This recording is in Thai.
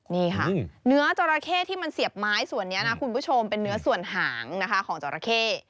นี่ค่ะเนื้อจราเข้ที่มันเสียบไม้ส่วนนี้นะคุณผู้ชมเป็นเนื้อส่วนหางนะคะของจราเข้